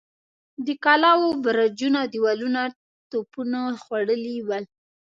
د کلاوو برجونه اودېوالونه توپونو خوړلي ول.